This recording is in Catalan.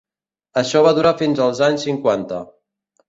Això va durar fins als anys cinquanta.